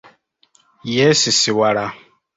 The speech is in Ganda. Yeesisiwala.